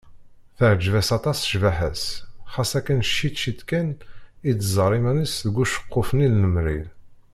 Teɛǧeb-as aṭas cbaḥa-s, xas akken ciṭ ciṭ kan i tẓerr iman-is deg uceqquf-nni n lemri.